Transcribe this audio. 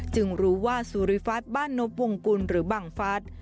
รู้ว่าสุริฟัฐบ้านนบวงกุลหรือบังฟัส